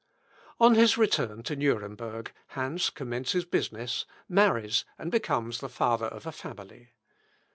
On his return to Nuremberg, Hans commences business, marries, and becomes the father of a family.